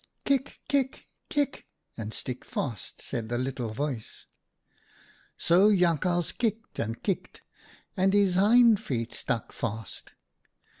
"' Kick, kick, kick, and stick fast,' said the little voice. " So Jakhals kicked and kicked, and his hind feet stuck fast.